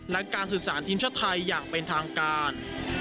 และการสื่อสารทีมชาติไทยอย่างเป็นทางการ